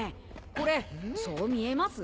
これそう見えます？